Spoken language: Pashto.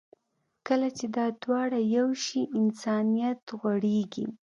کله چې دا دواړه یو شي، انسانیت غوړېږي.